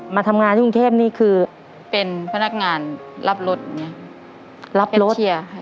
มาทำงานที่กุงเทพนี่คือเป็นพนักงานรับรถเนี้ยรับรถ